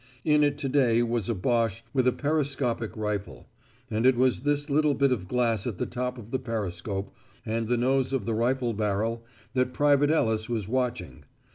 In it to day was a Boche with a periscopic rifle; and it was this little bit of glass at the top of the periscope, and the nose of the rifle barrel that Private Ellis was watching.